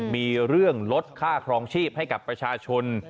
มีเรื่องลดค่าครองชีพให้กับประชาชน